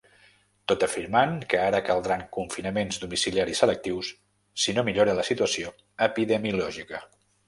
Tot afirmant que ara caldran confinaments domiciliaris selectius si no millora la situació epidemiològica.